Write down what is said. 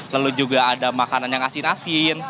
lalu juga ada makanan yang asin asin